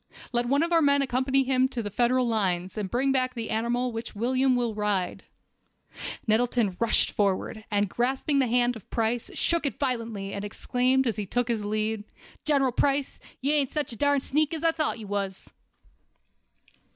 Let one of our men accompany him near to the Federal lines, and bring back the animal which William will ride." Nettleton rushed forward, and grasping the hand of Price, shook it violently, and then exclaimed, as he took his leave: "General Price, you ain't such a darn sneak as I thought you was!"